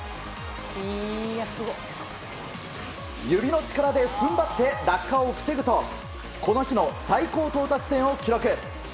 指の力で踏ん張って落下を防ぐとこの日の最高到達点を記録。